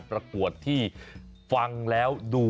ไปเต้นกันม้า